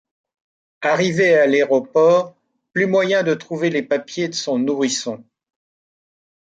Arrivée à l'aéroport, plus moyen de trouver les papiers de son nourrisson.